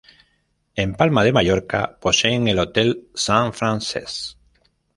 En Palma de Mallorca poseen el Hotel Sant Francesc.